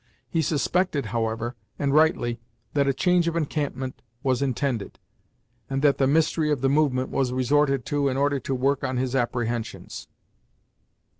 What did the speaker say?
He suspected, however, and rightly, that a change of encampment was intended, and that the mystery of the movement was resorted to in order to work on his apprehensions.